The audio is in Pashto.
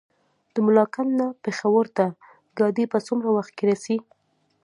د ملاکنډ نه پېښور ته ګاډی په څومره وخت کې رسي؟